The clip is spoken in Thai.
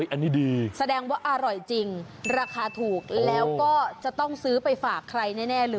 อันนี้ดีแสดงว่าอร่อยจริงราคาถูกแล้วก็จะต้องซื้อไปฝากใครแน่เลย